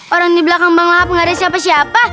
orang di belakang bang lahap gak ada siapa siapa